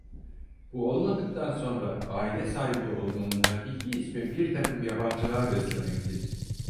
Bu olmadıktan sonra, aile sahibi olmanın hakiki ismi, "birtakım yabancılar beslemek" ti.